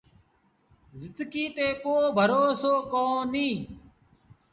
زندڪيٚ تي ڪو ڀروسو ڪونهي۔